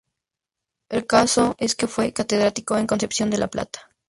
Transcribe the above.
El caso es que fue catedrático en Concepción de la Plata.